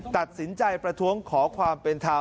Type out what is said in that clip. ตัดสินใจประท้วงขอความเป็นธรรม